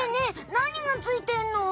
なにがついてんの？